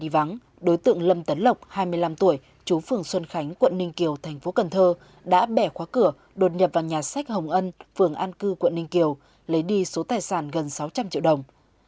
vào ngày một mươi tám tuổi chú phường xuân khánh quận ninh kiều thành phố cần thơ đã bẻ khóa cửa đột nhập vào nhà sách hồng ân phường an cư quận ninh kiều lấy đi số tài sản gần sáu trăm linh triệu đồng